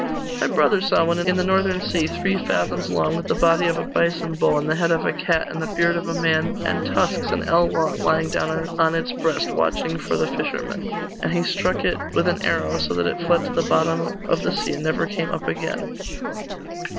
'My brother saw one, in the Northern sea, three fathoms long, with the body of a bison bull, and the head of a cat, and the beard of a man, and tusks an ell long, lying down on its breast, watching for the fishermen; and he struck it with an arrow, so that it fled to the bottom of the sea, and never came up again.